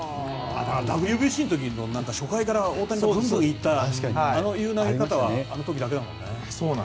ＷＢＣの時も初回から大谷がどんどんいったああいう投げ方はあの時だけだもんね。